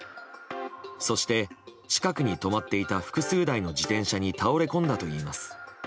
そして近くに止まっていた複数台の自転車に倒れ込んだといいます。